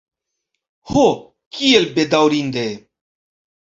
Ho, kiel bedaŭrinde!